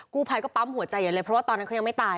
กู้ภัยก็ปั๊มหัวใจใหญ่เลยเพราะว่าตอนนั้นเขายังไม่ตาย